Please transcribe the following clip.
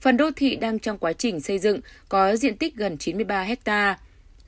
phần đô thị đang trong quá trình xây dựng có diện tích gần chín mươi ba hectare